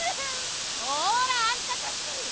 こらあんたたち！